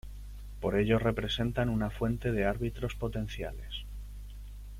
Por ello representan una fuente de árbitros potenciales.